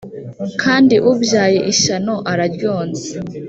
Kandi ubyaye ishyano araryonsa!